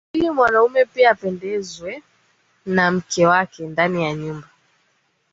ili mwanaume pia apendezewe na mke wake ndani ya nyumba